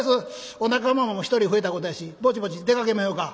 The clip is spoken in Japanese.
お仲間も１人増えたことやしぼちぼち出かけまひょか」。